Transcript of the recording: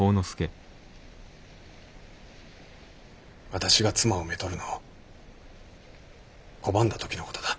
私が妻を娶るのを拒んだ時の事だ。